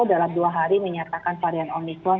dalam dua hari menyatakan varian omikron